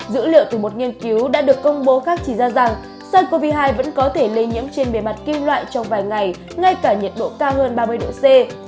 dữ liệu từ một nghiên cứu đã được công bố khác chỉ ra rằng sars cov hai vẫn có thể lây nhiễm trên bề mặt kim loại trong vài ngày ngay cả nhiệt độ cao hơn ba mươi độ c